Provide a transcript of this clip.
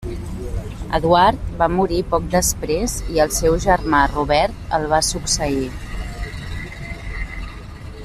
Eduard va morir poc després i el seu germà Robert el va succeir.